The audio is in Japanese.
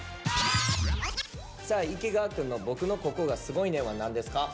さあ池川くんの「僕のココがすごいねん！」は何ですか。